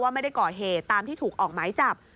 ไม่ได้ก่อเหตุตามที่ถูกออกหมายจับ